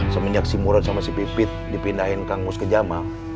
seminyak si murad sama si pipit dipindahin kang mus ke jamal